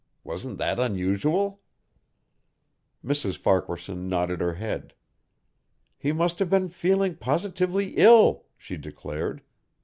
Wasn't that unusual?" Mrs. Farquaharson nodded her head. "He must have been feeling positively ill," she declared.